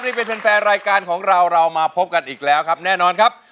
นี่เป็นแฟนรายการของเราเรามาพบกันอีกแล้วครับแน่นอนครับ